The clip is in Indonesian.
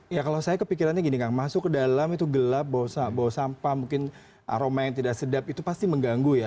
ya kalau saya kepikirannya gini kang masuk ke dalam itu gelap bawa sampah mungkin aroma yang tidak sedap itu pasti mengganggu ya